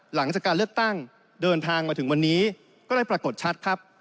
หลังจากการเลือกตั้งเดินทางมาถึงวันนี้ก็ได้ปรากฏชัดครับ